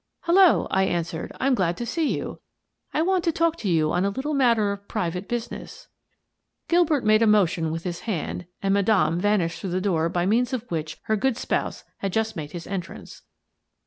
"Hello," I answered. "I'm glad to see you. I want to talk to you on a little matter of private business." Gilbert made a motion with his hand and Madame vanished through the door by means of which her good spouse had just made his entrance.